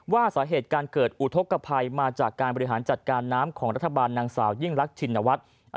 ว่าสาเหตุการเกิดอุทธกภัยมาจากการบริหารจัดการน้ำของรัฐบาลนางสาวยิ่งรักชินวัฒน์